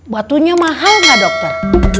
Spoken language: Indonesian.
batunya mahal gak dokter